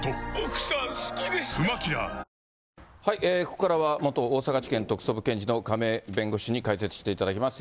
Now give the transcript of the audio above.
ここからは元大阪地検特捜部検事の亀井弁護士に解説していただきます。